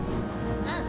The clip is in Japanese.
うん。